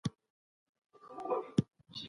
هیڅ هېواد نه سي کولای د بل هېواد کلتور له منځه یوسي.